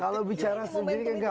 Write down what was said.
kalau bicara sendiri kan enggak pak